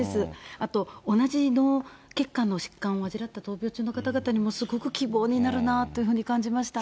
あと、同じ脳血管の疾患を患って闘病中の方々にもすごく希望になるなというふうに感じましたね。